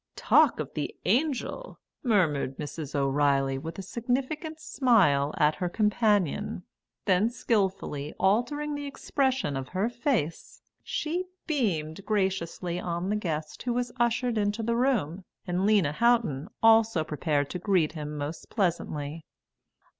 "Talk of the angel," murmured Mrs. O'Reilly with a significant smile at her companion. Then skilfully altering the expression of her face, she beamed graciously on the guest who was ushered into the room, and Lena Houghton also prepared to greet him most pleasantly.